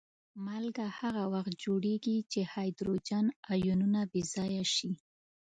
مالګه هغه وخت جوړیږي چې هایدروجن آیونونه بې ځایه شي.